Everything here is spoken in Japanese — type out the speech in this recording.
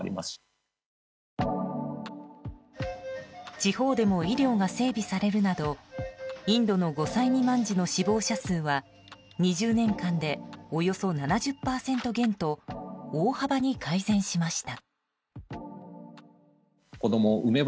地方でも医療が整備されるなどインドの５歳未満児の死亡者数は２０年間でおよそ７０％減と大幅に改善しました。